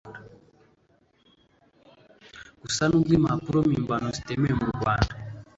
Gusa nubwo impapuro mpimbano zitemewe mu Rwanda